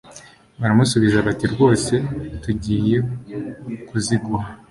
baramusubiza bati rwose tugiye kuziguha